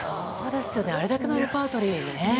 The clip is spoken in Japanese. あれだけのレパートリーね。